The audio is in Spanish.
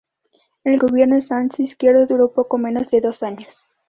El gobierno de Sáenz Izquierdo duró poco menos de dos años.